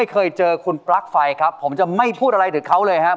เคยเจอคุณปลั๊กไฟครับผมจะไม่พูดอะไรถึงเขาเลยครับ